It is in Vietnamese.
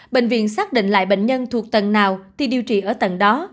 bệnh viện xác định lại bệnh nhân thuộc tầng nào thì điều trị ở tầng đó